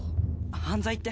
犯罪って？